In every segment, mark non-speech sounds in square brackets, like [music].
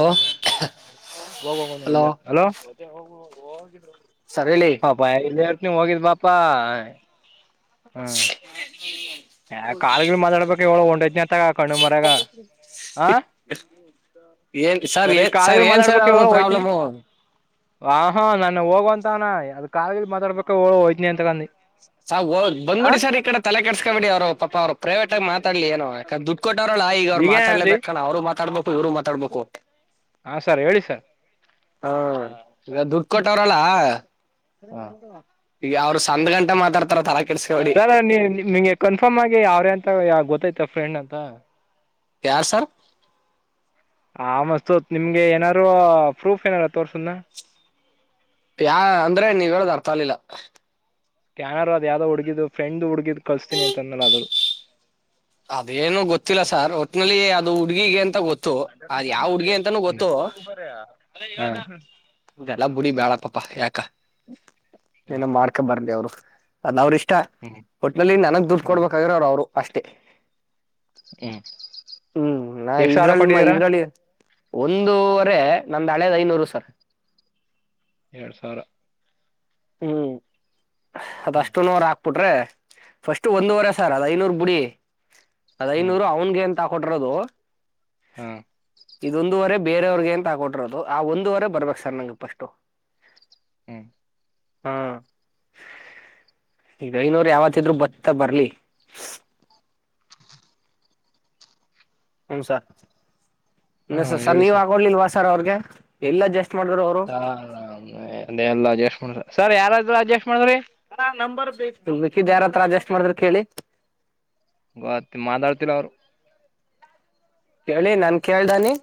Hello hello ಇಲೋ sir ಹೇಳಿ ಹಪಾ ಇಲ್ಲಿ ಎಟ್ ನಿಮ ಹೋಗಿದ್ ಬಾಪಾ [inaudible] ಯ ಕಲ್ಗಲ್ ಮಾತಾಡ್ಬೇಕಕ್ ಅವಳ ಒೊಂಡ್ೈ್ನ ಅತ್ತಗ ಕಣ್ಣು ಮರ್ಯಾಗ ಹ ಸರಿ ಕಳ ಮಾತಾಡ್ಬೇಕಳ ಹೋಗಯ್ತೀನಿ ಪ್ರಾಬ್ಲಮು ಆ ಹಾ ನ ಹೋಗುವ ಅಂತಾನ ಅ ಕಾಲಲಿ ಮಾತಾಡ್ಬೇಕ ಹ ಹೋಯ್ತನಿ ಅಂತಂದಿ ಸದ್ ಬಂದ್ಬಿಡಿ ಸರ್ ಈ ಕಡೆ ತಲೆ ಕೆಡಸ್ಕೊಬಿಡಿ ಅವರು ಪಾ ಅವರು ಪ್ರೈವೇಟ್ ಆಗ ಮಾತಾಡ್ಲಿ ಏೋ ಯಾಂದೆ ದುಡ್ಡು ಕೊಟ್ಟೋ್ರರು ಹಲ್ಲಾ ಈಗ ಅವ್ ಈಗೇನ್ ಅಂದಿ ಮಾತಾಡ್ೇಬೇಕಲ್ಲ ಅವ್ರು ಮಾತಾಡ್ಬೇಕು ಇವ್ರು ಮಾತಾಡ್ಬೇಕು ಹಾ ಸರ್ ಹೇಳಿ ಸರ್ ಹಾ ಈಗ ದುಖ ಕೊಟ್ಟವ್ರಲ್ಲ ಹ ಈಗ ಅವ್ರು ಸಂಂದ್ ಗಂಟ ಮಾತಾಡ್ತಾರ ತರ ಸರ ನೀ ನಿಮ್ಗೆ ಕನ್ಫರ್ಮ್ ಆಗಿ ಅವ್ರೆ ಅಂತ ಯಾವ ಗೊತ್ತೈತ ಫ್ರೆಂಡ್ ಅಂತ ಯಾರ ಸರ್ ಆ ಮಸ್ತ್ತ್ ನಿಮ್ಗೆ ಏನಾರು ಪ್ರೂಫ್ ಏನಾರು ತೋರ್ಸನ ಯ ಅಂದ್ರೆ ನೀವ ಹೇಳದ್ ಅರ್ಥ ಅಲಿಲ್ಲ ಸ್ಕ್ಯಾನರ್ ಅದು ಯಾವ್ದ ಹುಗಿದ ್ರೆಂಡ್ ಹುಡುಗಿದ ಕಳಸ್ತೀನಿ ಅಂತಂದಲ್ಲ ಅ್ರರು ಅದೇನು ಗೊತ್ತಿಲ್ಲ ಸಾರ್ ಒಟ್ನಲ್ಲಿ ಅದು ಹುಡ್ಗಿಗೆ ಅಂತ ಗೊತ್ತು ಅದ ಯಾವ್ ಹುಡ್ಗಿ ಅಂತಾನೂ ಗೊತ್ತು ಬ್ಬರೆಯಾ ಲ್ಲ ಬುಡಿ ಬ್ಯಾಳಪಪ್ಪ ಯಾಕ ಏನ ಮಾಡ್ಕೊ ಬರಲಿ ಅವ್ರು ಅದ ಅವ್ರ ಇಷ್ಟ ಹ್ಮ್ ಹೋಟ್ಲಲ್ಲಿ ನನಗ್ ದುಡ್ದ ಹ್ಮ್ ಕೊಡ್ಬೇಕಾದ್ರ ಅವ್ರ ಅವ್ರು ಅಷ್ಟೇ ಹ್ಮ್ ಹ್ಮ್ ನಾ ಎಷ್ಟ್ ಸಾವಿರ ಇದ್ರಲ್ಲಿ ಕೊಟ್ಟಿದ್ದೀರಾ ಇದ್ರಲ್ಲಿ ಒಂದೂವರೆ ನಂದ ಹಾಳಿಯದ್ ಐನೂರು ಸರ್ ಎರಡ್ ಸಾವಿರ ಹ್ಮ್ ಹ್ಮ್ ಅದಷ್ಟು ನ ರಾ ಟ್ರೆ ಫಸ್ಟ್ ಒಂದೂುವರೆ ಸರ್ ಅದ ಐನೂರು ಬಿಡಿ ಅದ ಹ್ಮ್ ಐನೂರು ಅವನ್ಿಗೆ ಕೊಟರೋದು ಹಾ ಬೇರೆಯವ್ರಿಗೆ ಎಂತ ಹಾಕಟಿರೋದು ಆ ಒಂದುವರೆ ಬರ್ಬೇಕಕ್ ಸರ್ ನಂ ಪಫಸ್ ಹ್ಮ್ ಹ್ಮ ಈಗನೂರು ಯಾವತ್ ಇದ್ರು ಬತ್ತ ಬರ್ಲಿ ಹ್ಮ ಹಾ ಸರ್ಸ ಸರ್ ಹೇಳಿ ನೀವ್ ಆಗೋಡ್ಲಿಲ್ವಾ ಸರ್ ಅವ್ರಗೆ ಎಲ್ಲ ಜಾಸ್ತಿ ಹ ಆಾಮ ಅ ಎಲ್ಲ ಅಡ್ಜಸ್ಟ್ ಮಾಡ್ರ ಸರ್ ಯಾರಾದ್ರರು ಅಡ್ಜಸ್ಟ್ ಮಾಡ್ರಿ ಹ ನಂಬರ್ ಬೇಕ ಮಕ್ಕಿದ್ದ್ ಯಾರತ್ರ ಅಡ್ಜಸ್ಟ್ ಮಾಡಿದ್ರ ಕೇಳಿ ಗತ್ತ ಮಾದಾಳ್ತಿ ಅವರು ಹೇಳಿ ನನ್ ಕೇೇಳ್ದಾನಿ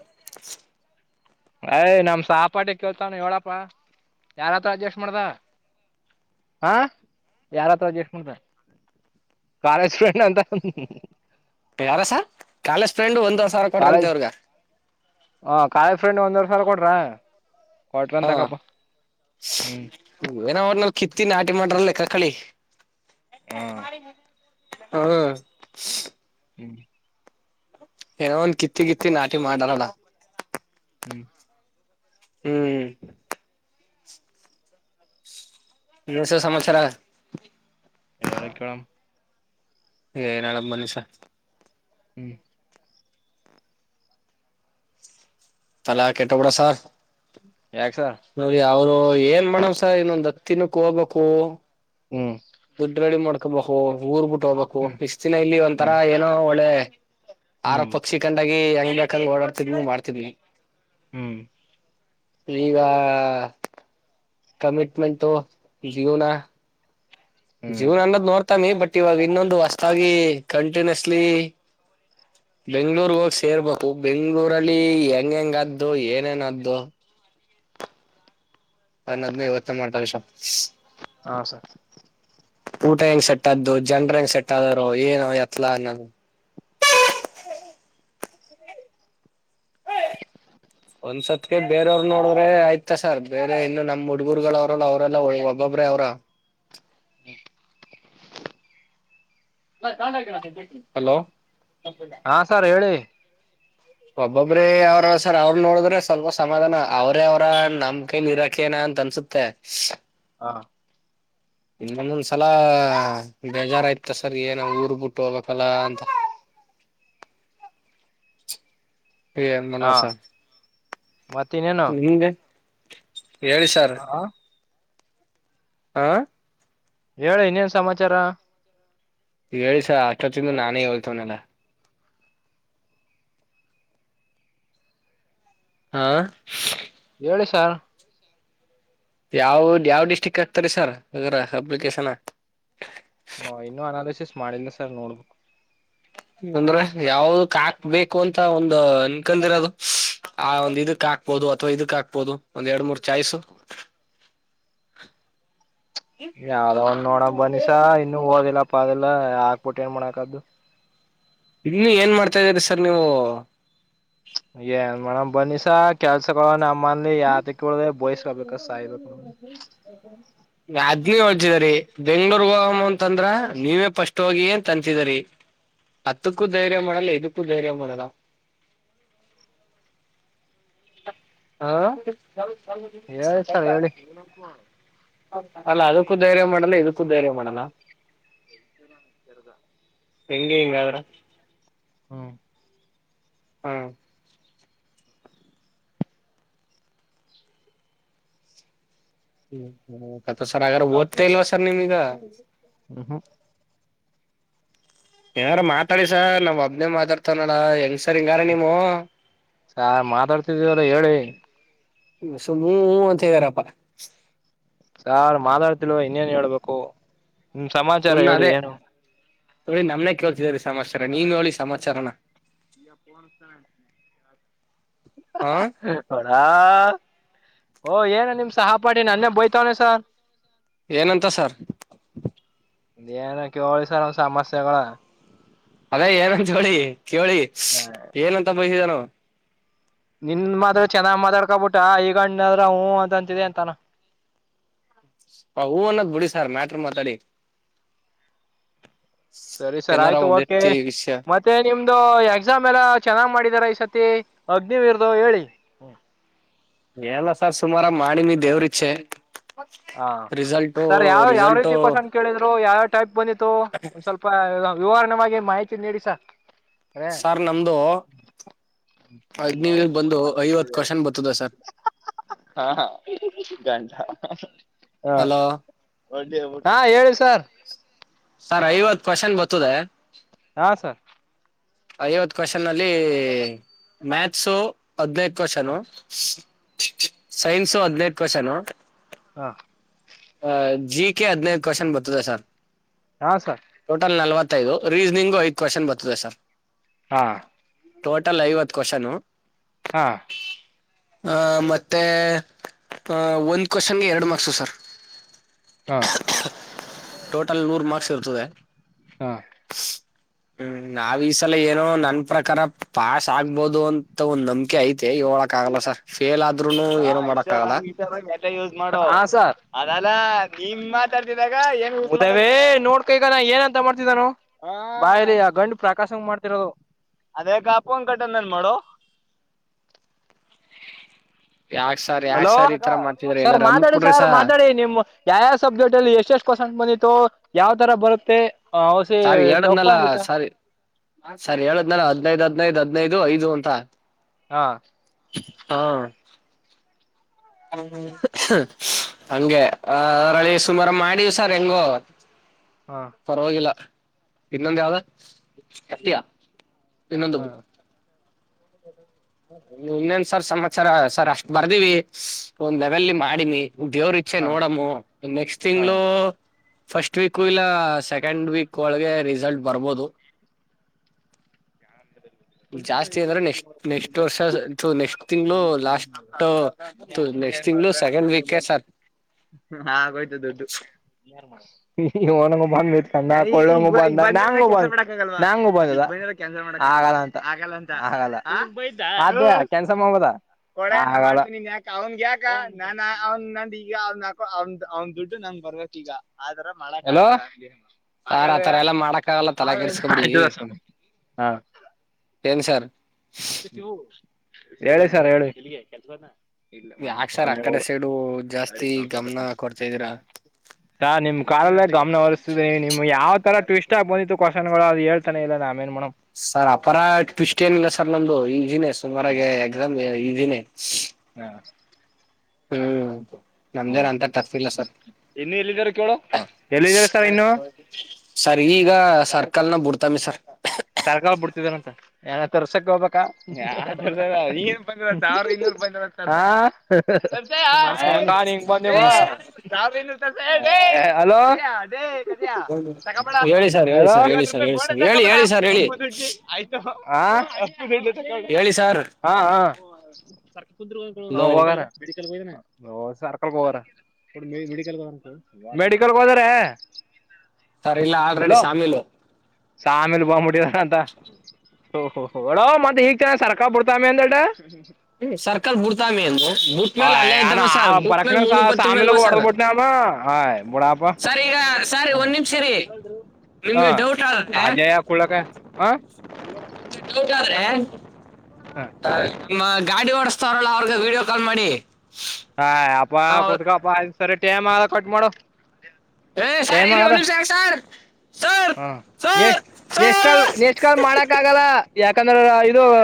ಯ್ ನಮ ಸಹಪಾಟಿ ಕೇಳ್ತಾನ ಹೇಳಡಪ್ಪ ಯಾರತ್ರ ಅಡ್ಜಸ್ಟ್ ಮಾಡ್ದ ಹಾ ಯಾರತ್ರ ಜಸ್ಕತ ಕಾಲೇಜ್ ಫ್ರೆಂಡ್ ಅಂತ ಯಾರ ಸರ್, ಕಾಲೇಜ್ ಫ್ರೆಂಡು ಒಂದು ಕಾಲೇಜ್ ಹ ಕಾಲೇಜ್ ಫ್ರೆಂಡ್ ಒಂದವರೆ ಸಲ ಕೊಡ್ರ ಹಾ ಏನ ಅವರ್ನಲ್ ಕಿತ್ ಇತ್ತ ನಾಟಿ ಮಾಡ್ರಲ್ಲ ಕಕಳಿ ಹ ಹ್ಮ ಹ್ಮ ಏನೋ ಒಂದ ಕಿತ್ತಿ ಕಿತ್ತಿ ನಾಟಿ ಮಾಡಾರಲ್ಲ ಹ್ಮ್ ಹ್ಮ್ ನೀಸ ಸಮಾಚಾರ ಏಳಕ್ಕೋಳ ಏನಳ ಬನಿಸ ಹ್ಮ್ ತಲಾ ಕೆಟ್ಟಬಡ ಸಾರ್ ಯಾಕ ಸರ್ ನೋ ಅವರು ಏನ್ ಮಾಡವ್ಸ ಇನ್ನೊಂದ್ ಹತ್ತಿನಕ್ಕೆ ಹೋಗ್ಬೇಕು ಹ್ಮ್ ಗುಡ್ ರಡಿ ಮಾಡ ಹಾಕಬಹು ಊರ್ ಬಿಟ್ಟ ಹೋಗಬೇಕು ಹ್ಮ್ ಬಿಸ್ತಿನ ಇಲ್ಲಿ ಒಂ ತರ ಏನೋ ಒಳ್ಳೆ ಆರ ಹ್ಮ್ ಹ್ಮ್ ಪಕ್ಷಿ ಕಂಡಾಗಿ ಹೆಂಗ್ ಬೇಕಾದ ಓಡಾಡ್ತಿದ್ವಿ ಮಾಡ್ತಿದ್ವಿಿ ಹ್ಮ್ ನೀಗ ಕಮಿಟ್ಮೆಂಟ್ ಜೀವುನಾ ಹ್ಮ್ ಜೀವನ್ ಅನ್ನೋದ್ ನೋಡ್ತಾನಿ ಬಟ್ ಇವಾಗ ಇನ್ನೊಂದು ಹೊಸತಾಗಿ ಕಂಟಿನ್ಯೂಸ್ಲಿ ಹ್ಮ ಬೆಂಗ್ಳೂರ್ ಹೋಗಿ ಸೇರ್ಬೇಕು ಬೆಂಗ್ಳೂರಲ್ಲಿ ಹೆಂಗ್ ಹೆಂಗದ್ದು ಏನೇನದ್ದು ಹ ನದ್್ಮೆ ಇವತ್ತ ಮಾಡ್ತಾವ ವಿಷ ಹಾ ಸರ್ ಊಟ ಹೆಂಗ್ ಸೆಟ್ ಆದದ್ದು ಜನ್ರ ಹೆಂಗ್ ಸೆಟ್ ಆದದರು ಏನ ಎತ್ಲ ಅನ್ನೋದು ಹ ಒಂದಸತ್ ಅ ಬೇರೆಯವ್ರರು ನೋಡ್ರೆ ಆಯ್ತಾ ಸರ್ ಬೇರೆ ಇನ್ನು ನಮ್ಮ್ ಹುಡ್ಗುರುಗಳ ಅವ್ರಲ್ಲ ಅವ್ರರೆಲ್ಲಾ ಒಬ್ಬೊಬ್ರೆ ಅವ್ರ ಹ ಹಾಲೋ ಹಾ ಸರ್ ಹೇಳಿ ಹೌ ಒಬ್ಬೊಬ್ರ ಅವ್ರ ಸರ್ ಅವ್ರ ನೋಡಿದ್ರೆ ಸ್ವಲ್ಪ ಸಮಾಧಾನ ಅವ್ರೇ ಅವರ ನಮಮ್ಮ ಕೈಲಿ ಇರಾಕ ನ ಅಂತ ಅನ್ಸ ಸುತ್ತೆ ಹಾ ಮಂದೊಂದ್ಸಲ ಬೇಜಾರಾಯಯ್ತ ಸರ್ ಏನ ಊರ್ ಬಿಟ್ಟು ಹೋಗ್ಬೇಕಲ್ಲ ಅಂತ [inaudible] ಹಾ ಮನವಸ ಮತ್ತ ಇನ್ನೇನು ನಿಗೆ ಹೇಳಿ ಸರ್ ಹ ಆಾ ಹೇಳ ಇನ್ನೇನ್ ಸಮಾಚಾರ ಹೇಳಿಿಸ ಅಷ್ಟೊತ್ತಂದು ನಾನೇ ಹೇಳ್ತವನೆಲ್ಲ ಹಾ ಹೇಳಿ ಸಾರ್ ಯಾವ ಯಾವ್ ಡಿಸ್ಟ್ರಿಕ್ ಹಕ್ತಾರೆ ಸರ್ ಅಪ್ಲಿಕೇಶನ್ ಹ ಇನ್ನುೂ ಅನಾಲಸಿಸ ಮಾಡಿಲ್ಲ ಸರ್ ನೋಡ್ಬು ಅಂದ್ರೆ ಯಾವದಕ್ ಹಾಕ್ಬೇಕು ಅಂತ ಒಂದ ಅನ್ಕಂದಿರದು ಆ ಒಂದ್ ಇದಕ್ ಹಾಕ್ಬೋದು ಅಥವಾ ಇದಕ್ ಹಾಕ್ಬೋದು ಒಂದ್ ಎರಡ್ ಮೂರ್ ಚಾಯ್ಸು [inaudible] ಯಾವ್ದೋ ಒಂದ್ ನೋಡ ಬನಿಸ ಇನ್ನುೂ ಹೋಗಿಲ್ಲಪ್ಪ ಅಲ್ಲ ಹಾಕ್ಬಿಟ್ಟ ಏನ್ ಮಾಡೋಾಕದ್ದು ಇನ್ನು ಏನ್ ಮಾಡ್ತಾ ಇದ್ದೀರಿ ಸರ್ ನೀವು ಏನ್ ಮಾಡೇಡಮ್ ಬನಿಸ ಕೆಲ್ಸ ಮನ್ಲಿ ಯಾದಕ್ಕೆ ಒ ಬಯಸ್ಕಬೇಕ ಸಾಯ್ಬೇಕ ನ ಅದ್ನೇ ಹೊಳ್ತಿದರಿ ಬೆಂಗ್ಳೂರ್ ಹೋಗ ಅಂತಂದ್ರ ನೀವೇ ಫಸ್ಟ್ ಹೋಗಿ ಏನ್ ಅಂತಿದರಿ ಹತ್ತಕ್ಕೂ ಧೈರ್ಯ ಮಾಡಲ್ಲ ಇದಕ್ಕೂ ಧೈರ್ಯ ಮಾಡದ ಹಾ ಹೇಳಿ ಸರ್ ಹೇಳಿ ಅಲ್ಲ ಅದಕ್ಕೂ ಧೈರ್ಯ ಮಾಡಲ್ಲ ಇದಕ್ಕೂ ಧೈರ್ಯ ಮಾಡಲ್ಲ ಸರ್ದಾ ಹೆಂಗಗೆ ಹೆಿಂಗಾದ್ರ ಹ್ಮ ಹ್ಮ ಹ್ಮ ಸರ್ ಹಾಗ್ರ ಓದ್ತಾ ಇಲ್ವಾ ಸರ್ ನಿಮ್ೀಗ ಹ್ಮ್ ಹ್ಮ ಯಾರ ಮಾತಾಡಿಸರ್ ನಾವ್ ಒಬ್ಬನೇ ಮಾತಾಡ್ತವ್ಡ ಹೆಂಗ್ ಸರ್ ಹಿಂಗಾರ ನೀವು ನಾ ಮಾತಾಡ್ತಿದ್ದೀವಲ್ಲ ಹೇಳಿ ಸುಮ್ಮ ಹೂ ಅಂತಿದಿರಪ್ಪ ಸಾರ್ ಮಾತಾಡ್ತಿಲ್ವ ಇನ್ನೇನ್ ಹೇಳ್ಬೇಕು ನಿಮ್ ಸಮಾಚಾರ ಸುಮ್ನೆ ಹೇಳಿ ಅದೇ ಏನು. ನೋಡಿ ನಮ್ನೆ ಕೇಳ್ತಿದೀ ಸಮಾಚಾರ ನೀನ್ ನೋಲಿ ಸಮಾಚಾರನ [inaudible] ಹ ಹ ಹ ಓ ಏನ ನಿಮ್ ಸಹಪಾಠಿ ನನ್ನೇ ಬೋಯ್ತವನೆ ಸಾ ಏನಂತ ಸರ್ ಇ ಏನ ಕೇಳಿ ಸರ್ ಒಂದ ಸಮಸ್ಯೆಗಳ. ಅದೇ ಏನನ್ ಚೋಳಿ ಕೇಳಿ ಏನಂತ ಬೈದಿದಾನು ನಿನ್ ಮಾತ್ರ್ರ ಚೆನ್ನಾಗ್ ಮಾತಾಡ್ಕಬಿಟ್ಟ ಈಗಣ್ಣದ್ರ ಹೂ ಅಂತಂತಿದೆ ಅಂತಾನ ಆ ಹೂ ಅನ್ನುದ ಬಿಡಿ ಸರ ಮ್ಯಾಟರ್ ಮಾತಾಡಿ. ಸರಿ ಸರ್ ಏನಾರ ಆಯ್ತು ಓಕೆ ಒಂದೆತ್ತಿ ವಿಷಯ ಮತ್ತೆ ನಿಮ್ದ ದು ಎಕ್ಸಾಮ್ ಎಲ್ಲ ಚೆನ್ನಾಗ್ ಮಾಡಿದಿದ್ದಾರೆ ಈ ಸತಿ ಆಗ್ನಿವೀರದೂ ಹೇಳಿ. ಎಲ್ಲ ಸರ್ ಸುಮಾರ ಮಾಡಿಮಿ ದೇವ್ರ ಇಚ್ಚೆ ಹಾ ರಿಸಲ್ಟ್ ಸರ್ ಯಾವ್ ಯಾವ ರೀತಿ ಕೋಸನ್ ಕೇಳಿದ್ರು ಯಾವ್ಯಾವ ಟೈಪ್ ಬಂದಿತ್ತು ಒಂದ್ ಸ್ವಲ್ಪ ವಿವಾರಣೆ ಮಾಡ್ ಗೆ ಮಾಹಿತಿ ನೀಡಿ ಸರ್ ಸರ್ ನಮ್ದು ಅಗ್ನಿವಿಗ್ ಬಂದು ಐವತ್ ಕ್ವಶನ್ ಬರ್ತದೆ ಸರ್ [unintelligible] ಹಾ ಹಾ [unintelligible] ಹಲೋ ಹಾ ಹೇಳಿ ಸರ್ ಸರ್ ಐವತ್ತು ಕ್ವಾಶನ್ ಬರ್ತದೆ. ಹಾ ಸರ್ ಐವತ್ ಕ್ವಶನ್ ಅಲ್ಲಿ ಮ್ಯಾಥ್ಸು ಹದನೈದು ಕ್ವಶನು ಸೈನ್ಸು ಹದಿನೈದು ಕ್ವಷನು. ಹಾ ಜಿ ಕೆ ಹದ್ನೈದು ಕ್ವಶನ್ ಬರ್ತದೆ ಸರ್ ಹಾ ಸರ್ ಟೋಟಲ್ ನಲ್ವತ್ತು ದು ರೀಸನಿಂಗು ಐದು ಕ್ವಶನ್ ಬರ್ತದೆ ಸರ್ ಹಾ ಟೋಟಲ್ ಐವತ್ತು ಕ್ವಶನು ಹಾ ಆ ಮತ್ತೆ ಅ ಒಂದ್ ಕ್ವಶನ್ಗೆ ಎರಡು ಮಾರ್ಕ್ಸು ಸರ್ ಹಾ ಟೋಟಲ್ ನೂರು ಮಾರ್ಕ್ಸ್ ಇರ್ತದೆ ಹಾ ಹ್ಮ್ ನಾವ್ ಈ ಸಲ ಏನೋ ನನ್ ಪ್ರಕಾರ ಪಾಸ್ ಆಗ್ಬೋದು ಅಂತ ಒಂದ್ ನಂಬಿಕೆ ಐತೆ ಆಗಲ್ಲ ಸರ್ ಫೇಲ್ ಆದ ಹಾ ಸರ್ ಅದಲ್ಲಾ ನಿಮ್ ಮಾತಾಡ್ತಿದಾಗ ನೋಡ್ಕ ಈಗ ನಾ ಏನಂತ ಮಾಡ್ತಿದ್ದಾನು ಬಯ್ರಿ ಆ ಗಂಡು ಪ್ರಕಾಶಂಗ ಮಾಡ್ತಿರೋದು. ಅದೇ ಕಾಪಂ ಕಟನ್ನ್ ಮಾಡೋ [inaudible] ಯಾಕ್ ಸರ್ ಯಾಕ್ ಹಲೋ ಸರ್ ಈ ತರ ಮಾಡ್ತಿದ್ರಿ ಸರ್ ಏನಾರ ಅಮಕ್ ಮಾತಾಡಿ ಬಿಡ್ರಿ ಸ ಸಾರ್ ಮಾತಾಡಿ ನಿಮ್ಮ್ ಯಾವ್ಯ ಸಬ್ಜೆಕ್ಟ್ ಅಲ್ಲಿ ಎಷ್ಟೆಷ್ಟ ಇ ಪರ್ಸೆಂಟ್ ಬಂದಿತ್ತು ಯಾವ್ ತರ ಬರುತ್ತೆ. ಔಸಿ ಸರಿ ಟಫ್ ಹೇಳಏದ್ನೆಲ ಆಗಿತ್ತ ಸರಿ ಸರಿ ದ್ನಲ ಹದ್ನೈದ ಹದ್ನೈದು ಹದ್ನೈದು ಇದು ಐದು ಅಂತ ಹಾ ಹಾ ಹ್ಮ [unintelligible] ಹಂಗೆ ಅದರಲ್ಲಿಿ ಸುಮಾರು ಮಾಡಿವ್ ಸರ್ ಹೆಂಗೋ ಹಾ ಪರವಾಗಿಲ್ಲ ಇನ್ನಂದ ಯಾವ್ದ ಎತಿಯಾ ಇನ್ನೊಂದು ಹಾ ಹ [unintelligible] ಇನ್ನೇನ್ ಸರ್ ಸಮಾಚಾರ ಸರ್ ಅಷ್ಟ ಬರ್ದಿವವಿ ಒಂದ್ ಲೆವೆಲ್ ಮಾಡಿನಿ ದೇವರು ಇಛೆ ಹಾ ನೋಡಮ್ಮ ನೆಕ್ಸ್ಟ್ ಹಾ ತಿಂಗ್ಗಳು ಫಸ್ಟ್ ವೀಕು ಇಲ್ಲ ಸೆಕೆಂಡ್ ವೀಕ್ ಒಳಗೆ ರಿಸಲ್ಟ್ ಬರ್ಬೋದು ಟ [unintelligible] ಕೊೊಂಡ [unintelligible] ನೆಕ್ಸ್ಟ್ ನೆಕ್ಸ್ಟ್ ವರ್ಷ ನೆಕ್ಸ್ಟ್ ತಿಂಗ್ಗಳು ಲಾಸ್ಟ್ ನೆಕ್ಸ್ಟ್ ತಿಂಗಂಗಳು ಸೆಕೆಂಡ್ [unintelligible] ಸೆಕೆಂಡ್ ವೀಕ್ ಸರ್ ಹಾಗೋಯಿತು [inaudible] ಹನಂಗ ಬಂದಟ್ ಕೊಳ್ಳಂಗ ಬ ನಂಗ ಬ ನಂಗ ಬಂದದ [unintelligible] ಕೆನ್ಸ ಮಾಡಬದ [unintelligible] ಕೊ ಯಾಕ ಅವನ್ ಯಾಕ ನಾನ ಅವನ್ ನಂದ ಈಗ ಅವಕ ಅವ ಅವ್ನ್ ದುಡ್ಡು ನಮ್ದ [unintelligible] ಬರ್ಬೇಕ ಈಗ [unintelligible] ಸಾರ್ ಆತರ ಎಲ್ಲಾ ಮಾಡಕ ಆಗಲ್ಲ ತಲೆ ಕೆಡ್ಸ್ಕೊ ಬಿಡಿ ಹಾ ಏನ್ ಸರ್ ಹೇಳಿ ಸರ್ ಹೇಳಿ ಸರ್ ಯಾಕ್ಸಾರ್ ಆ ಕಡೆ ಸೈಡು ಜಾಸ್ತಿ ಗಮನ ಕೊಡ್ತಾ ಇದ್ದೀರಾ ಸ ನಿಮ್ ಕಲ್ಲೇ ಗಮನ ಹರಿಸ್ತಿದೀಿ ನಿಮ್ ಯಾವ್ ತರ ಟೂರಿಸ್ಟ್ [unintelligible] ಇಷ್ಟ ಬಿತ್ತು ಕ್ವಶನ್ಗಳು ಅ ಹಳ್ತಾನ ಇಲ್ಲ ನಾ [unintelligible] ಸರ್ ಅಪರ ಿಸ್್ಟ್ ಏನಿಲ್ಲ ಸರ್ ನಮ್ದು ಈ ದಿನೇ ಸುಮಾರಾಗ ಹ್ಮ್ ಎಕ್ಸಾಮ್ ಈ ದಿನೇ [unintelligible] ಹಾ [unintelligible] ಹ್ಮ್ ಹ್ಮ್ ನಮ್ದೇನು ಅಂತ ಟಫ್ ಇಲ್ಲ ಸರ್ ಹ ಎಲ್ಲಿದ್ದೀರಾ ಸರ್ ಇನ್ನು ಸರ್ ಈಗ ಸರ್ಕಲ್ನ ಬಡ್ತಾಮಿ ಸರ್ [unintelligible] ತರ್ಕ ಬಿಡ್ತಿದನಂತ ಏನ ತರ್ಸಕ್ ಹೋಗ್ [unintelligible] ಹಾ [unintelligible] ಬಂದ ಹ ಸರ್ ಹಲೋ [unintelligible] ಸಕಬಳ ಹೇಳಿ ಸರ್ ಹೇಳಿ ಸರ್ ಹೇಳಿ ಸರ್ ರೂಪಾಯ ಹೇಳಿ ಬೋರ್ಡ್ ಸರ್ ಹೇಳಿ ಸಕಬಳ ಹೇಳಿ ಸರ್ [unintelligible] ಹೇಳಿ ಅಪ್ಪ ದುಡ್ಡಿ ಆಯ್ತ ಅಪ್ಪಡ್ ಹೇಳಿ [unintelligible] ಸರ್ ಹಾ ಹ ಹ [unintelligible] ಸರ್ಕಲ್ ಹಲೋ ಗರ [unintelligible] ಮೆಡಿಕಲ್ ಮೆಡಿಕಲ್ ವರ [unintelligible] ಸರ್ ಇಲ್ಲ ಆಲ್ರೆಡಿ ಸಾಮೀಲು ಸಾಮೇಲು ಬೋಗ್ ಮುಟ್ಟಿದಾರ ಅಂತ [inaudible] ಹೊ ಹೋ ಹ್ ಅಳ ಮತ್ತತ್ ಹ ಈಗ್ ಚನ ಸರಕ ಬಿಡ್ತಾಮಿ ಅಂದೇಟ [unintelligible] ಹ್ಮ್ ಸರ್ಕಲ್ ಬ ಬಿಡ್ತಾಮಿ ಏನು ಬಟ್ ಮೇಲೆ ಅಲ್ಲೇ ಯಾನ ಇದ್ದಮ್ಮ ಆ ಸರ್ ಬುಟ್ ಮೇಲೆ ಬರಕ್ನ ಮುಂದ ಬರ್ತಮಿ ಸಾಮಿಲ್ಗ ಅಲ್ವಾ ಸರ್ ಹೊಡೆದ್ಬಿಟ್ನ ಅವ ಆಯ್ ಬಿಡಪ್ಪ [unintelligible] ಸರ್ ಈಗ ಸರ್ ಹಾ ಒಂದ್ ನಿಮ್ಷರಿ ನಿಮ್ಗೆ ಹ ಡೌಟ್ ಆದ ಅಜಯ ಕುೂಳಕ ಹ [unintelligible] ೋಟ್ರೆ ಹ ಸ [unintelligible] ಗಾಡಿ ಓಡಸ್ತವಾರಲ್ಲ ಅವರಿಗೆ ವೀಡಿಯೋ ಕಾಲ್ ಮಾಡಿ [inaudible] ಹಾ ಅಪ್ಪ ನಾವು ಕುತ್ಕಪ್ಪಾ ಅ್ ಸರಿ ಟೈಮ್ ಆದ ಕಟ್ ಮಾಡು [unintelligible] ಹಏ ಸಾರ್ ಹೇಳರಿ ಒನಲ್ ಸಾರ್ ಸಾರ್ [unintelligible] ಹಾ ನ ನಷ್ಟ ಕಾಲ್ ಸರ್ ನಷ್ಟ ಕಾಲ್ ಮಾಡಕ್ ಆಗಲ್ಲ ಯಾಕಂದ್ರೆ ಇದು [unintelligible]